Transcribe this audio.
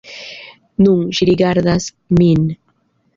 Nun, ŝi rigardas min.